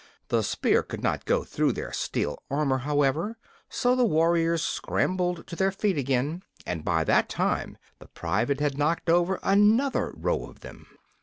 The spear could not go through their steel armor, however, so the warriors scrambled to their feet again, and by that time the private had knocked over another row of them.